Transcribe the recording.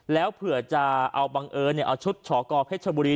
แล้วเผื่อจะเอาบังเอิญเอาชุดชกเพชรชบุรี